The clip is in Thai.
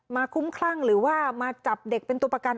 คุ้มคลั่งหรือว่ามาจับเด็กเป็นตัวประกัน